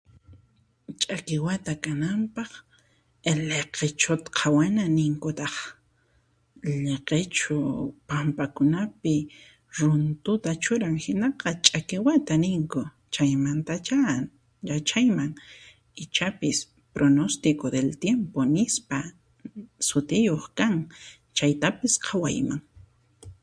Ch'akiwata kananpaq liqichuta qhawana ninkutaq, liqichu pampakunapi runtuta churan hinaqa ch'akiwata ninku, chaymantachá yachayman ichapis pronóstico del tiempo sutiyuq kan, chaytapis qhawayman.